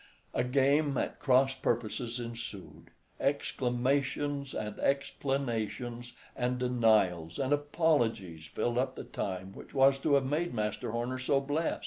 A game at cross purposes ensued; exclamations and explanations, and denials and apologies filled up the time which was to have made Master Horner so blest.